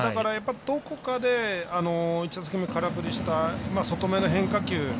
どこかで１打席目空振りした外めの変化球。